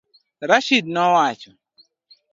Rashid nowacho